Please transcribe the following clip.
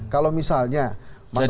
kalau misalnya mas agus